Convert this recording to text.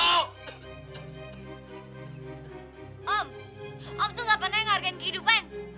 om tuh gak pernah ngarjain kehidupan